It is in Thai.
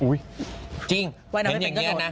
อุ๊ยจริงมันอย่างนี้นะ